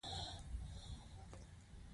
غریب د حلال رزق مینه وال وي